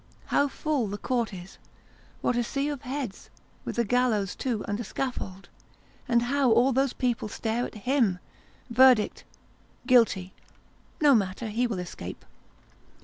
How full the Court is with a sea of heads with a gallows, too, and a scaffold and how all those people stare at him ! Verdict, " Guilty." No matter ; he will escape.